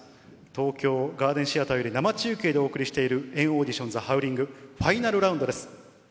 東京ガーデンシアターより生中継でお送りしている、＆ＡＵＤＩＴＩＯＮザ・ハウリング、ファイナルラウンドです。